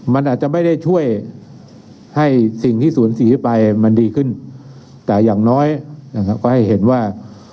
มันอาจจะไม่ได้ช่วยให้สิ่งที่สูญเสียไปมันดีขึ้นแต่อย่างน้อยนะครับก็ให้เห็นว่า